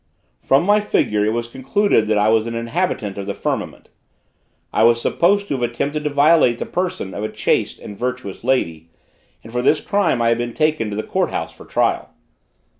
From my figure it was concluded that I was an inhabitant of the firmament. I was supposed to have attempted to violate the person of a chaste and virtuous lady, and for this crime I had been taken to the court house for trial.